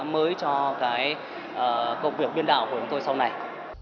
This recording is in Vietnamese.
mới cho cái công việc biên đạo của chúng tôi sau này